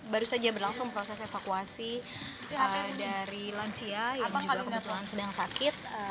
baru saja berlangsung proses evakuasi dari lansia yang juga kebetulan sedang sakit